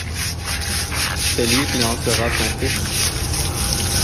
C’est lui qui lancera son fils.